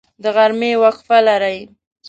د غرمې وقفه لرئ؟